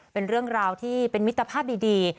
เป็นเรื่องราวที่เป็นมิตรภาพดี